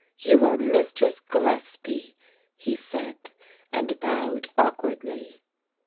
"You are Mistress Gillespie," he said, and bowed awkwardly.